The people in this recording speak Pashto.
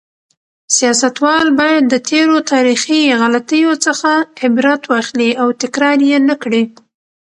سیاستوال باید د تېرو تاریخي غلطیو څخه عبرت واخلي او تکرار یې نکړي.